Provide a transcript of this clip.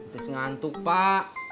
tis ngantuk pak